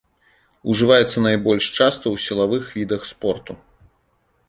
Ужываецца найбольш часта ў сілавых відах спорту.